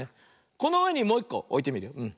このうえにもういっこおいてみるよ。